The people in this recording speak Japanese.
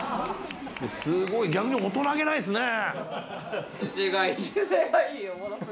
すごい逆に大人気ないですね。